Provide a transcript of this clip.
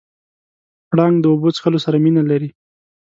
پړانګ د اوبو څښلو سره مینه لري.